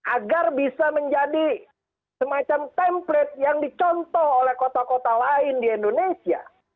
agar bisa menjadi semacam template yang dicontoh oleh kota kota lain di indonesia